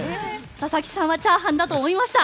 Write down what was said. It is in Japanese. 佐々木さんはチャーハンだと思いました。